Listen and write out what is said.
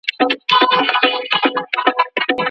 د ویني بانکونه څنګه کار کوي؟